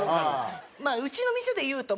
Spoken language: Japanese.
まあうちの店でいうと。